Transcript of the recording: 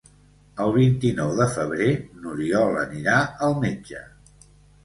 El vint-i-nou de febrer n'Oriol anirà al metge.